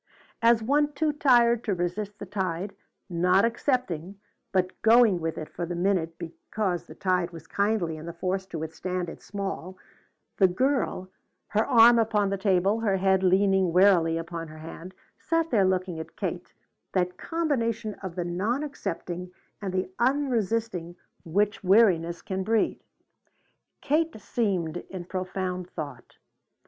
As one too tired to resist the tide, not accepting, but going with it for the minute because the tide was kindly and the force to withstand it small, the girl, her arm upon the table, her head leaning wearily upon her hand, sat there looking at Katie, that combination of the non accepting and the unresisting which weariness can breed. Kate seemed in profound thought.